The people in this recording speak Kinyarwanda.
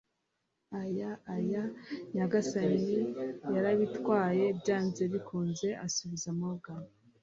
Ay, ay, nyagasani, yarabitwaye, byanze bikunze,' asubiza Morgan